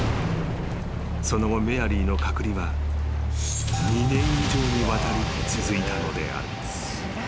［その後メアリーの隔離は２年以上にわたり続いたのである］